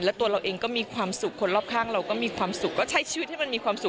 แล้วตัวเราเองก็มีความสุขคนรอบข้างเราก็มีความสุขก็ใช้ชีวิตให้มันมีความสุข